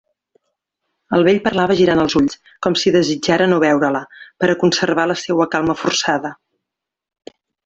El vell parlava girant els ulls, com si desitjara no veure-la, per a conservar la seua calma forçada.